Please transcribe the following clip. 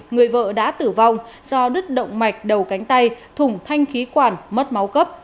người vợ đã tử vong do đứt động mạch đầu cánh tay thủng thanh khí quản mất máu cấp